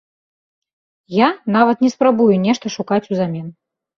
Я нават не спрабую нешта шукаць узамен.